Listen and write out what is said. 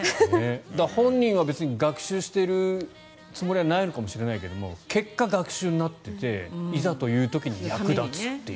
本人は学習してるつもりはないのかもしれないけど結果、学習になっていていざという時に役立つという。